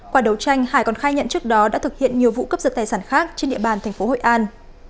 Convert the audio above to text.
qua đấu tranh hải còn khai nhận trước đó đã thực hiện nhiều vụ cấp giật tài sản khác trên địa bàn thành phố hội an